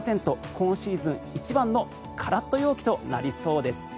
今シーズン一番のカラッと陽気となりそうです。